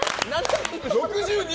６２。